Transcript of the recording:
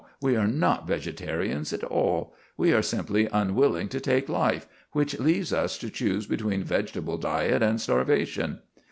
We are not vegetarians at all. We are simply unwilling to take life, which leaves us to choose between vegetable diet and starvation.